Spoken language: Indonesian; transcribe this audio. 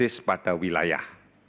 berbasis pada wilayah